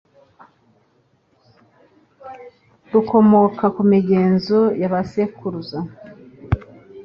rukomoka ku migenzo ya ba sekuruza.